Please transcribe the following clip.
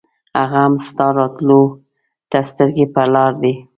هغه هم ستا راتلو ته سترګې پر لار دی.